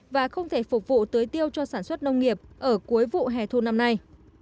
và không thể phục vụ tưới tiêu cho sản xuất nông nghiệp ở cuối vụ hè thu năm nay